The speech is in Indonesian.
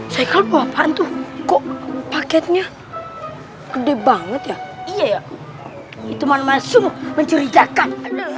saya kalau bapak tuh kok paketnya gede banget ya iya itu manggil mencurigakan